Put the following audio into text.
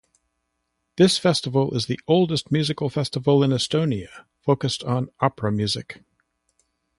This festival is the oldest music festival in Estonia focused on opera music.